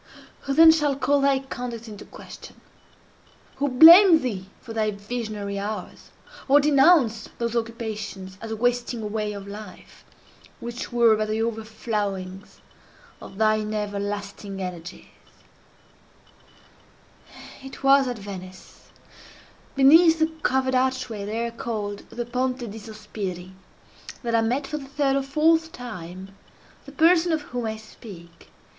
Who then shall call thy conduct into question? who blame thee for thy visionary hours, or denounce those occupations as a wasting away of life, which were but the overflowings of thine everlasting energies? It was at Venice, beneath the covered archway there called the Ponte di Sospiri, that I met for the third or fourth time the person of whom I speak.